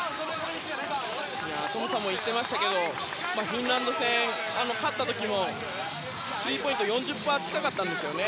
トムさんも言っていましたけどフィンランド戦で勝った時もスリーポイント４０％近かったんですよね。